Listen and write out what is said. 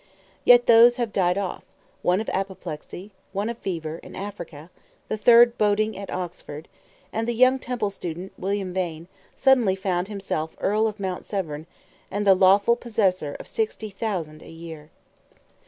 Yet those have died off, one of apoplexy, one of fever, in Africa, the third boating at Oxford; and the young Temple student, William Vane, suddenly found himself Earl of Mount Severn, and the lawful possessor of sixty thousand a year.